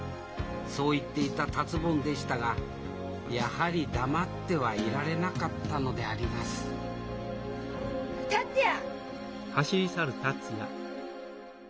そう言っていた達ぼんでしたがやはり黙ってはいられなかったのであります達也！